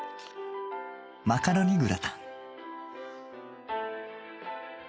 マカロニグラタン